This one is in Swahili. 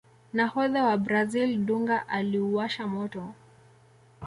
nahodha wa brazil dunga aliuwasha moto